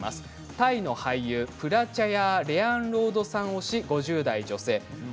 タイの俳優プラチャヤー・レァーンロードさん推し、５０代女性です。